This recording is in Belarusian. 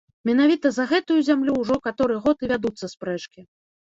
Менавіта за гэтую зямлю ўжо каторы год і вядуцца спрэчкі.